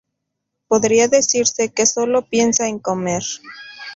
Podría decirse que sólo piensa en comer.